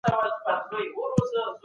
همداراز د حامد کرزي او محمد اشرف غني د